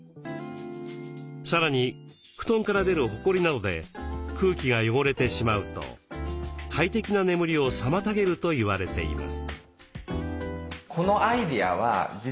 さらに布団から出るホコリなどで空気が汚れてしまうと快適な眠りを妨げると言われています。